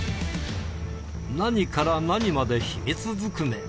何から何まで秘密ずくめ。